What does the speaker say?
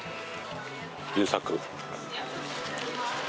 優作。